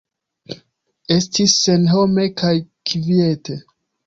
Estis senhome kaj kviete.